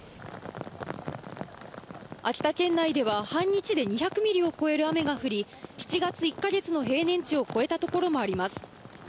秋田県内では半日で２００ミリを超える雨が降り、７月１か月の平年値を超えた所もあります。